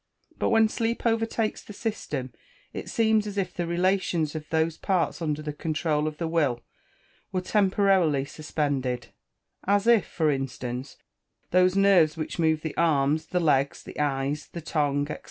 But when sleep overtakes the system, it seems as if the relations of those parts under the controul of the will were temporarily suspended; as if, for instance, those nerves which move the arms, the legs, the eyes, the tongue, &c.